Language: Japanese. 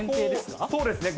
そうですね。